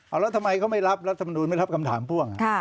เอาแล้วทำไมเขาไม่รับรัฐมนุนไม่รับคำถามพ่วง